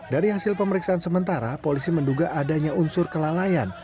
dari hasil pemeriksaan sementara polisi menduga adanya unsur kelalaian